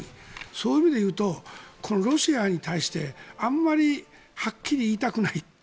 そういう意味で言うとロシアに対してあまりはっきり言いたくない。